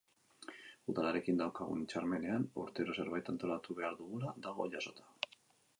Udalarekin daukagun hitzarmenean urtero zerbait antolatu behar dugula dago jasota.